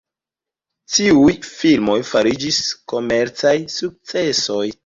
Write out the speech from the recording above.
Tiuj filmoj fariĝis komercaj sukcesoj.